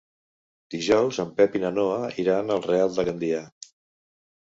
Dijous en Pep i na Noa iran al Real de Gandia.